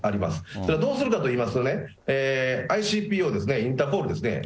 それはどうするといいますとね、ＩＣＰＯですね、インターポールですね。